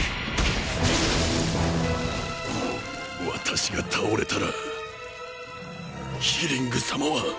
私が倒れたらヒリング様は